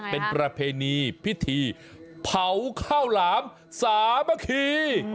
เป็นประเพณีพิธีเผาข้าวหลามสามัคคี